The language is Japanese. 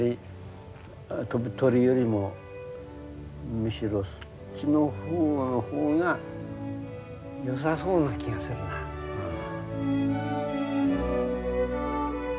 飛ぶ鳥よりもむしろそっちの方がよさそうな気がするなうん。